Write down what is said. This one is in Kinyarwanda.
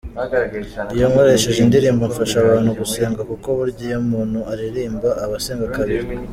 Iyo nkoresheje indirimbo mfasha abantu gusenga kuko burya iyo umuntu aririmba aba asenga kabiri.